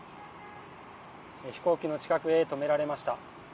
飛行機の近くへ止められました。